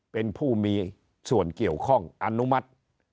เป็นผู้มีส่วนเกี่ยวข้องอนุมัติ